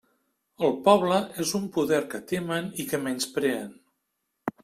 El poble és un poder que temen i que menyspreen.